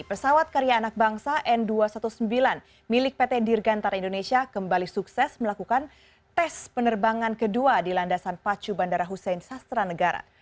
pesawat karya anak bangsa n dua ratus sembilan belas milik pt dirgantara indonesia kembali sukses melakukan tes penerbangan kedua di landasan pacu bandara hussein sastra negara